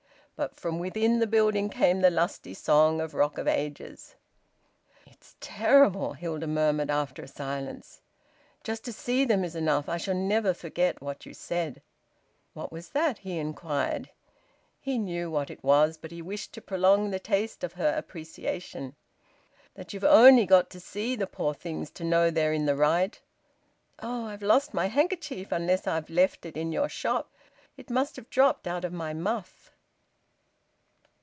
But from within the building came the lusty song of "Rock of Ages." "It's terrible!" Hilda murmured, after a silence. "Just to see them is enough. I shall never forget what you said." "What was that?" he inquired. He knew what it was, but he wished to prolong the taste of her appreciation. "That you've only got to see the poor things to know they're in the right! Oh! I've lost my handkerchief, unless I've left it in your shop. It must have dropped out of my muff."